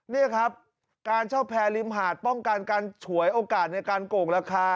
นี่ครับการเช่าแพรริมหาดป้องกันการฉวยโอกาสในการโกงราคา